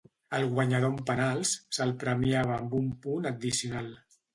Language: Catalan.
Al guanyador en penals, se'l premiava amb un punt addicional.